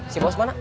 si bos kemana